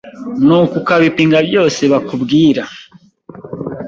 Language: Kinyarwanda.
nuko ukabipinga byose bakubwira